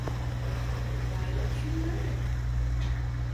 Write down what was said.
Why don't you learn?